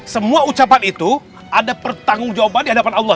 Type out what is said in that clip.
semua ucapan itu ada pertanggung jawaban di hadapan allah